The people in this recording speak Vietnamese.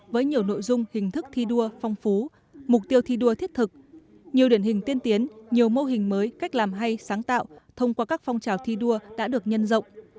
với nhiều nội dung hình thức thi đua phong phú mục tiêu thi đua thiết thực nhiều điển hình tiên tiến nhiều mô hình mới cách làm hay sáng tạo thông qua các phong trào thi đua đã được nhân rộng